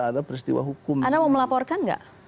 ada peristiwa hukum anda mau melaporkan nggak